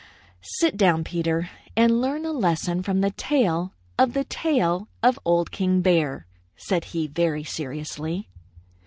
"Sit down, Peter, and learn a lesson from the tale of the tail of Old King Bear," said he very seriously.